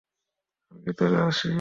আমি ভিতরে আসি?